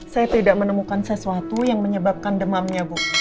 saya tidak menemukan sesuatu yang menyebabkan demamnya bu